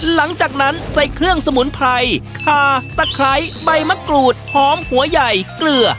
หลังจากนั้นใส่เครื่องสมุนไพรคาตะไคร้ใบมะกรูดหอมหัวใหญ่เกลือ